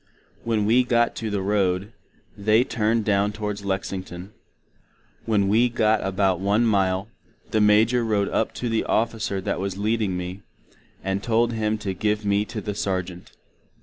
When we got to the Road, they turned down towards Lexington. When we had got about one Mile, the Major Rode up to the officer that was leading me, and told him to give me to the Sergeant.